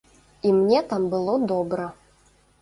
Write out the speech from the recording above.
І мне там было добра.